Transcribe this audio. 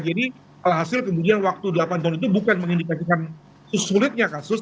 jadi alhasil kemudian waktu delapan tahun itu bukan mengindikasikan sesulitnya kasus